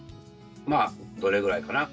まあどれぐらいかな？